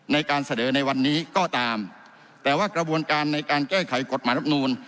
ในการเสนอในวันนี้ก็ตามแต่ว่ากระบวนการในการแก้ไขกฎหมายรับนูล